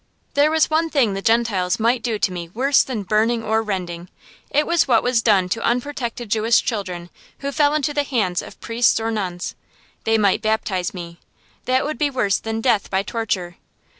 There was one thing the Gentiles might do to me worse than burning or rending. It was what was done to unprotected Jewish children who fell into the hands of priests or nuns. They might baptize me. That would be worse than death by torture.